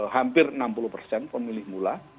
hampir enam puluh persen pemilih mula